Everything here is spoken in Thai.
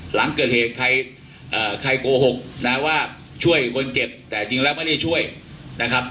หลังเกิดเหตุใครโกหกนะว่าช่วยคนเจ็บแต่จริงแล้วไม่ได้ช่วยนะครับ